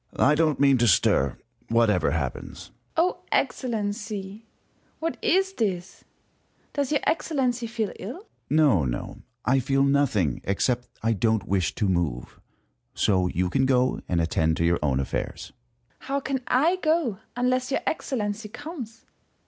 Sun. I don't mean to stir, whatever happens. First Hour. Excellency ! what is this ? Does your Excellency feel ill ? Sun. No, no ; I feel nothing, except that I don't wish to move. So you can go and attend to your own affairs. First Hour. How can I go unless your Excellency comes